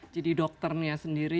jadi dokternya sendiri